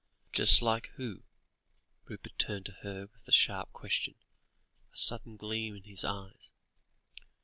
"Just like who?" Rupert turned to her with the sharp question, a sudden gleam in his eyes.